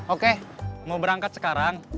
oke mau berangkat sekarang